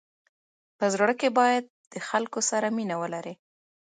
په زړه کي باید د خلکو سره مینه ولری.